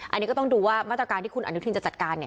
อันนี้ก็ต้องดูว่ามาตรการที่คุณอนุทินจะจัดการ